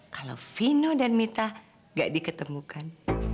kalau vino dan mita gak diketemukan